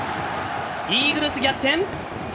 イーグルス、逆転！